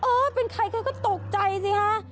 เออเป็นใครเขาก็ตกใจสิฮะ